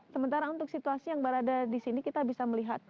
sementara untuk situasi yang berada di sini kita bisa melihat